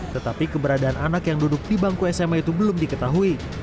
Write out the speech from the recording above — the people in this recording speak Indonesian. tetapi keberadaan anak yang duduk di bangku sma itu belum diketahui